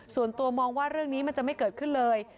ส่วนตัวมองว่าเรื่องนี้มันจะไม่เกิดขึ้นเลย